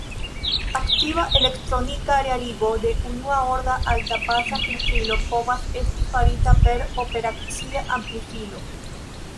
Aktiva elektronika realigo de unua-orda alta-pasa filtrilo povas esti farita per operacia amplifilo.